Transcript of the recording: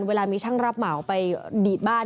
เวลามีช่างรับเหมาไปดีดบ้าน